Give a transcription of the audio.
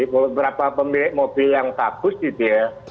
beberapa pemilik mobil yang bagus gitu ya